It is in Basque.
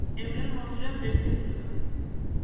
Euren modura beste ehundaka.